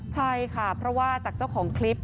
ใช่ค่ะเพราะว่าจากเจ้าของคลิป